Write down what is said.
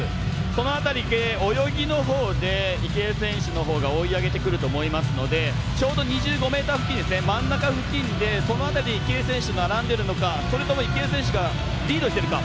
その辺りで泳ぎのほうで池江選手のほうが追い上げてくると思いますのでちょうど２５ｍ付近真ん中付近でその辺り池江選手と並んでいるのかそれとも池江選手がリードしているか。